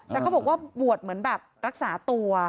แต่เขาบอกว่าบวชเหมือนแบบรักษาตัว